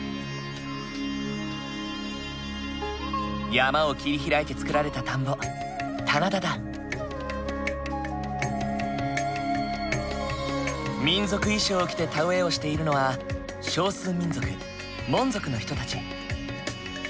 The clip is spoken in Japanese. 山を切り開いて作られた田んぼ民族衣装を着て田植えをしているのは少数民族モン族の人たち。